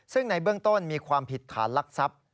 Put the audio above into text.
ซึ่งในเบื้องต้นมีความผิดฐานลักทรัพย์